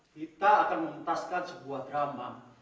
kita akan mengentaskan sebuah drama